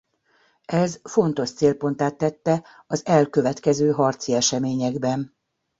Ez fontos célponttá tette az elkövetkező harci eseményekben.